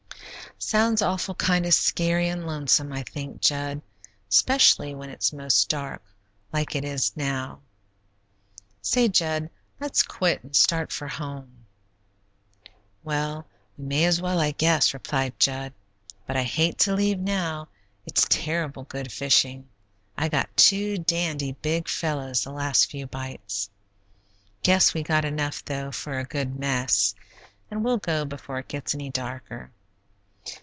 "Sounds awful kind of scary an' lonesome, I think, Jud, 'specially when it's most dark, like it is now. Say, Jud, let's quit and start for home." "Well, we may as well, I guess," replied Jud, "but I hate to leave now; it's terrible good fishing. I got two dandy big fellows the last few bites. Guess we got enough, though, for a good mess, and we'll go before it gets any darker.